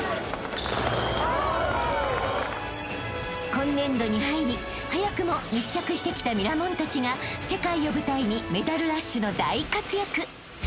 ［今年度に入り早くも密着してきたミラモンたちが世界を舞台にメダルラッシュの大活躍］